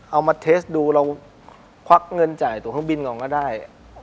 เอามาเทสดูเราควักเงินจ่ายตัวเครื่องบินก่อนก็ได้